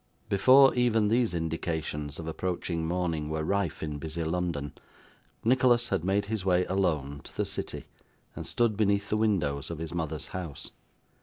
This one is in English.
Before even these indications of approaching morning were rife in busy London, Nicholas had made his way alone to the city, and stood beneath the windows of his mother's house.